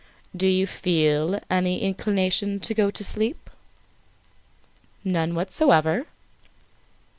"Do you feel any inclination to go to sleep?" "None whatever."